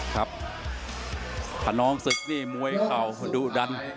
คณองศึกนี่มวยเขาดูดัน